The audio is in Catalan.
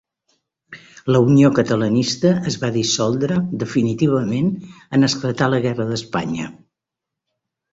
La Unió Catalanista es va dissoldre definitivament en esclatar la guerra d'Espanya.